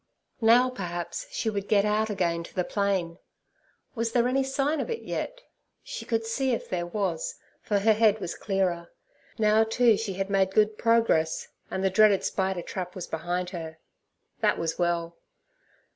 Now, perhaps, she would get out again to the plain. Was there any sign of it yet? She could see if there was, for her head was clearer. Now, too, she had made good progress, and the dreaded spider trap was behind her. That was well.